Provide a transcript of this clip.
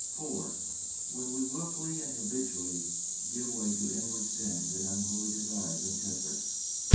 (4. ) When we wilfully and habitually give way to inward sins and unholy desires and tempers.